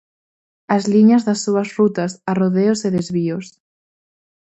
As liñas das súas rutas, arrodeos e desvíos.